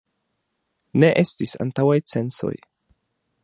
Ne estis antaŭaj censoj.